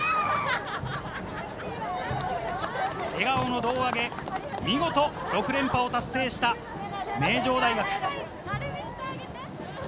笑顔の胴上げ、見事、６連覇を達成した名城大学。